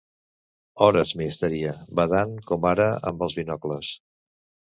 Hores, m'hi estaria, badant com ara amb els binocles.